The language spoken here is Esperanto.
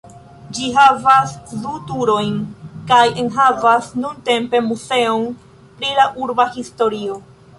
Ĝi havas du turojn kaj enhavas nuntempe muzeon pri la urba historio.